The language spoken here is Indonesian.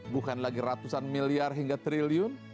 bukan lagi ratusan miliar hingga triliun